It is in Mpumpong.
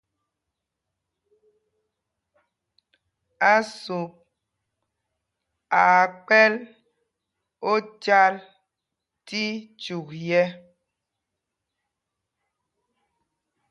Ásûp aa kpɛ̌l ócāl tí cyûk yɛ̄.